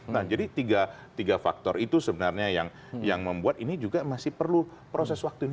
nah jadi tiga faktor itu sebenarnya yang membuat ini juga masih perlu proses waktu ini